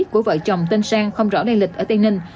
của vợ chồng tên sang không rõ lây lịch ở tây ninh